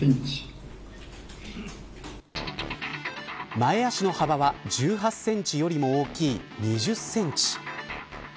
前足の幅は１８センチよりも大きい２０センチ。